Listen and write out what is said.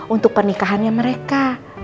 untuk pernikahannya mereka